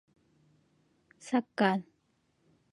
سږ کال